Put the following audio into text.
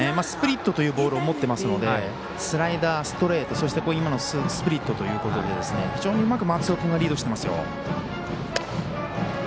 スプリットというボールを持っていますのでスライダー、ストレートそしてスプリットということで非常にうまく松尾君がリードしていますよ。